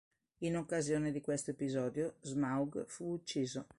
In occasione di questo episodio Smaug fu ucciso.